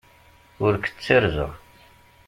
Ur k-ttarzeɣ.